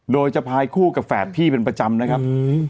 โดยจะพายคู่กับแฝดพี่เป็นประจำนะครับ